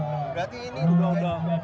berarti ini udah udah